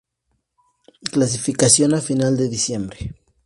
Clasificación a final de diciembre.